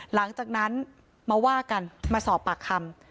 หลังจากนั้นมาว่ากันมาสอบปากคำ